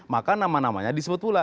maka nama namanya disebut pula